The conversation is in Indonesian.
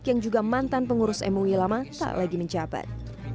yang juga mantan pengurus mui lama tak lagi menjabat